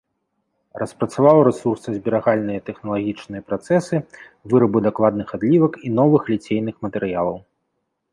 Распрацаваў рэсурсазберагальныя тэхналагічныя працэсы вырабу дакладных адлівак і новых ліцейных матэрыялаў.